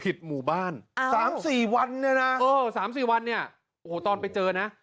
ผิดหมู่บ้านอ้าวสามสี่วันเนี้ยน่ะเออสามสี่วันเนี้ยโอ้โหตอนไปเจอนะ